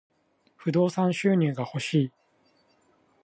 不動産収入が欲しい。